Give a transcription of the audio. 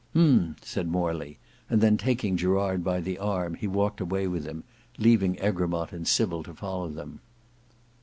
"Hem!" said Morley, and then taking Gerard by the arm, he walked away with him, leaving Egremont and Sybil to follow them.